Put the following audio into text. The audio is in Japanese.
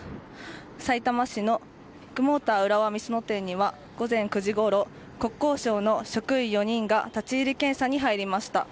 さいたま市のビッグモーター浦和美園店には午前９時ごろ国交省の職員４人が立ち入り検査に入りました。